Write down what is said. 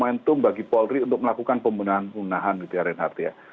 momentum bagi polri untuk melakukan pembunuhan pembunuhan di duran tiga ya